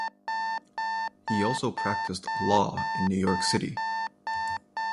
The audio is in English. He also practiced law in New York City.